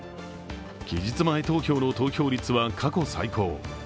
期日前投票の投票率は過去最高。